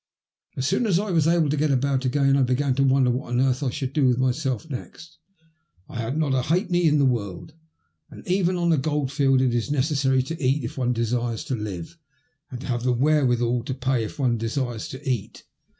As soon as I was able to get about again I began to wonder what on earth I should do with myself next. I had not a halfpenny in the world, and even on a gold field it is necessary to eat if one desires to live, and to have the wherewithal to pay if one desires to eat.